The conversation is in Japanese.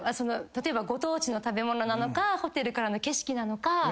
例えばご当地の食べ物なのかホテルからの景色なのか。